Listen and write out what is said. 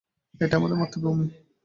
এটাই আমাদের মাতৃভূমি।